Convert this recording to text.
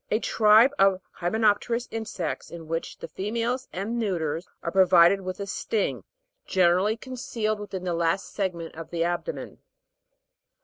A tribe of hy menopterous insects, in which the females and neuters are provided with a sting, generally concealed within the last segment of th abdomen.